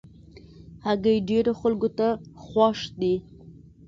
هګۍ ډېرو خلکو ته خوښ دي.